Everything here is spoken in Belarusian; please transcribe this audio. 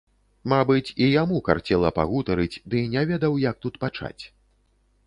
Мабыць, і яму карцела пагутарыць, ды не ведаў, як тут пачаць.